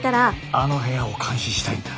あの部屋を監視したいんだ。